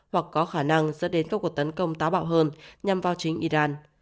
hoặc có khả năng dẫn đến các cuộc tấn công táo bạo hơn nhằm vào chính iran